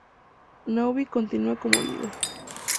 Neuville continúa como líder.